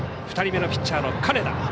２人目のピッチャーの金田。